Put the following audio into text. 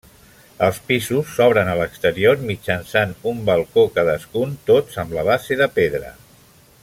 Els pisos s'obren a l'exterior mitjançant un balcó cadascun, tots amb la base de pedra.